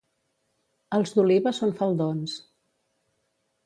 Els d'Oliva són faldons.